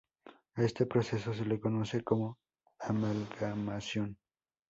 A este proceso se le conoce como amalgamación.